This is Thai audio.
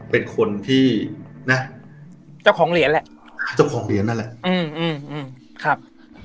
เป็นคนที่นะเจ้าของเหรียญแหละเจ้าของเหรียญนั่นแหละอืมอืมครับ